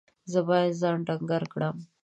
زه باید ځان ډنګر کړم.